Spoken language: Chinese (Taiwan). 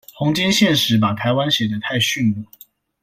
弘兼憲史把台灣寫得太遜了